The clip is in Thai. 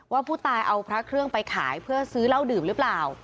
ว่าผู้ตายเอาพระเครื่องไปขายเพื่อซื้อเหล้าดื่มหรือเปล่า